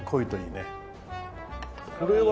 これは。